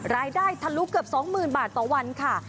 รายได้ทะลุเกือบ๒๐๐๐๐บาทต่อวันค่ะ